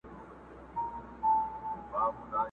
په موسم د پسرلي کي د سرو ګلو،